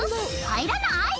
入らない？